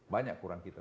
banyak kurang kita